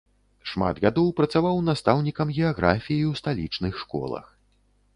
Шмат гадоў працаваў настаўнікам геаграфіі ў сталічных школах.